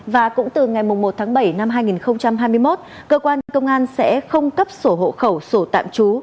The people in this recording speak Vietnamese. và cũng từ ngày một tháng bảy năm hai nghìn hai mươi một cơ quan công an sẽ không cấp sổ hộ khẩu sổ tạm trú